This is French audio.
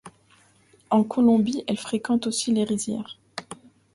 En Colombie, elle fréquente aussi les rizières.